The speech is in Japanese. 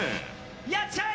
やっちゃえ！